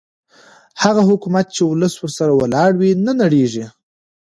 هغه حکومت چې ولس ورسره ولاړ وي نه نړېږي